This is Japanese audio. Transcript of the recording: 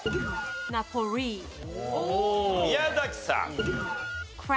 宮崎さん。